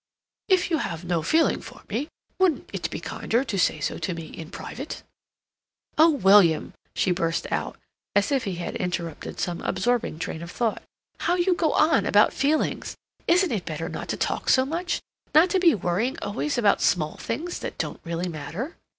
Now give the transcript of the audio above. "If you have no feeling for me, wouldn't it be kinder to say so to me in private?" "Oh, William," she burst out, as if he had interrupted some absorbing train of thought, "how you go on about feelings! Isn't it better not to talk so much, not to be worrying always about small things that don't really matter?"